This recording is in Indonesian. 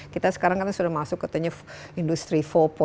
kita sekarang kan sudah masuk katanya industri empat